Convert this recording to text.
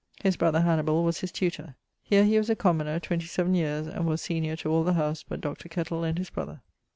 His brother Hannibal was his tutor. Here he was a commoner twenty seaven yeares, and was senior to all the house but Dr. Kettle and his brother.